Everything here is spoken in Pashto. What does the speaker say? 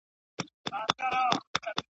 ډک له دوستانو ورک مي اغیار وي ..